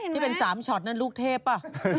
ที่เป็น๓ช็อตนั่นลูกเทพป่ะ